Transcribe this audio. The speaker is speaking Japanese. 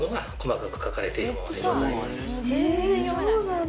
へぇそうなんだ。